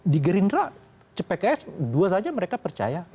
di gerindra pks dua saja mereka percaya